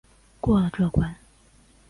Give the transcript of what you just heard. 过了这关